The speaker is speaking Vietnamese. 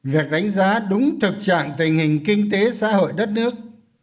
việc đánh giá đúng thực trạng tình hình kinh tế xã hội đất nước